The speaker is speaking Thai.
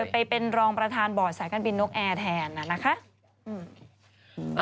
ไปเป็นรองประธานบอร์ดสายการบินนกแอร์แทนนะคะ